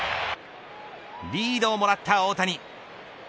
リードをもらった大谷。